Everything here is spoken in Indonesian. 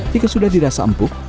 jika sudah dirasa empuk